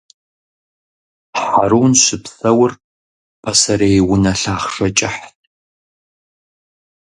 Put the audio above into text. Хьэрун щыпсэур пасэрей унэ лъахъшэ кӀыхьт.